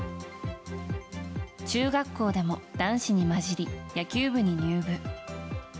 中学校でも男子に交じり野球部に入部。